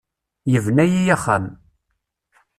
Yebna-iyi axxam.